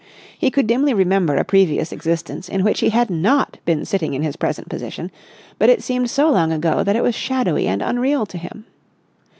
He could dimly remember a previous existence in which he had not been sitting in his present position, but it seemed so long ago that it was shadowy and unreal to him.